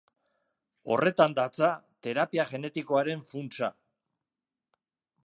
Horretan datza terapia genetikoaren funtsa.